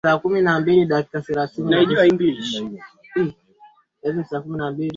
msomaji aliyebahatika aweze kuchambua zaidi basi nimpishe mwenzangu